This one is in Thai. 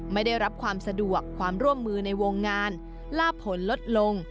ไม่ได้รับความสะดวกความร่วมมือในวงงานลาบผลลดลง